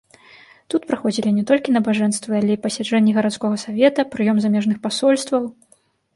Тут праходзілі не толькі набажэнствы, але і пасяджэнні гарадскога савета, прыём замежных пасольстваў.